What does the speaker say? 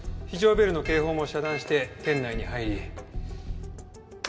非常ベルの警報も遮断して店内に入り。